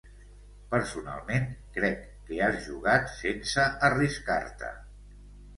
Personalment, crec que has jugat sense arriscar-te.